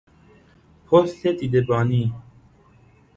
پست دیده بانی